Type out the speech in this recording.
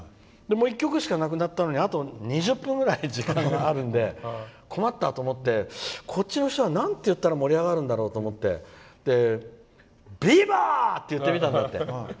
１曲しかなくなったのにあと２０分ぐらい時間があるので困ったと思ってこっちの人はなんて言ったら盛り上がるんだろうと思ってビバ！って言ってみたんだって。